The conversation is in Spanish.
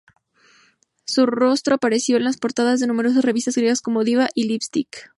Su rostro apareció en las portadas de numerosas revistas griegas como "Diva" y "LipStick".